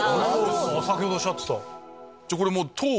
先ほどおっしゃってた。